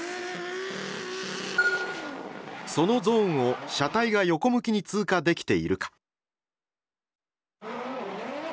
そのゾーンを車体が横向きに通過できているか。